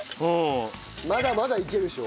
まだまだいけるでしょ？